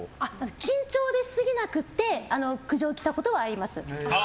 緊張で、しすぎなくて苦情来たことはあります。